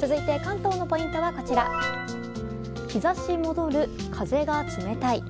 続いて、関東のポイントはこちら日差し戻る、風が冷たい。